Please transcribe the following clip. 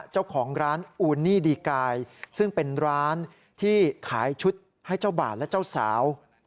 เจ้าของร้านอูนี่ดีกายซึ่งเป็นร้านที่ขายชุดให้เจ้าบ่าวและเจ้าสาว